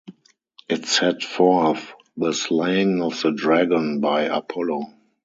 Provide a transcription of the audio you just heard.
It set forth the slaying of the Dragon by Apollo.